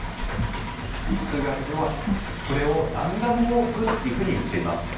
数学ではこれをランダムウォークっていうふうにいっています。